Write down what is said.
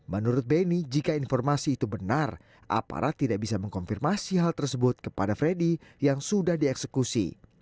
menurut beni jika informasi itu benar aparat tidak bisa mengkonfirmasi hal tersebut kepada freddy yang sudah dieksekusi